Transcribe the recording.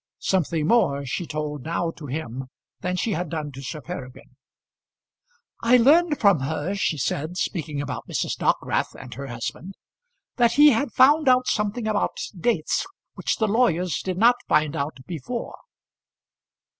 Something more she told now to him than she had done to Sir Peregrine. "I learned from her," she said, speaking about Mrs. Dockwrath and her husband, "that he had found out something about dates which the lawyers did not find out before."